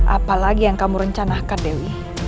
apalagi yang kamu rencanakan dewi